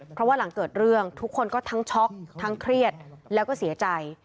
เพราะว่าหลังเกิดเรื่องทุกคนก็ทั้งช็อกทั้งเครียดแล้วก็เสียใจ